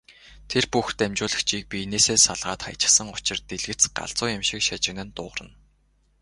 Тэр бүх дамжуулагчийг биенээсээ салгаад хаячихсан учир дэлгэц галзуу юм шиг шажигнан дуугарна.